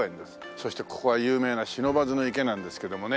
そしてここは有名な不忍池なんですけどもね。